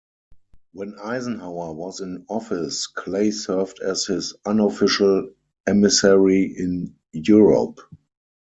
When Eisenhower was in office, Clay served as his unofficial emissary in Europe.